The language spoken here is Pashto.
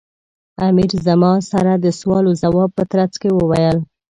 امیر زما سره د سوال و ځواب په ترڅ کې وویل.